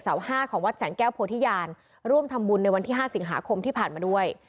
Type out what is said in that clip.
ห้าของวัดแสงแก้วโพธิญาณร่วมทำบุญในวันที่๕สิงหาคมที่ผ่านมาด้วย